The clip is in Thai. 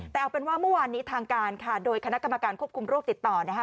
แต่เอาเป็นว่าเมื่อวานนี้ทางการค่ะโดยคณะกรรมการควบคุมโรคติดต่อนะคะ